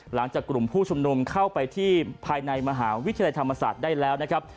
หลังจากกลุ่มผู้ชุมนุมเข้าไปที่ภายในมหาวิทยาลัยธรรมศาสตร์ได้แล้วนะครับ